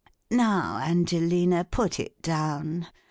] Now, Angelina, put it down.